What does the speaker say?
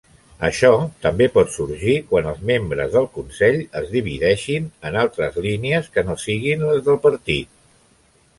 Això també pot sorgir quan els membres del consell es divideixin en altres línies que no siguin les del partit.